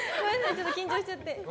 ちょっと緊張しちゃって。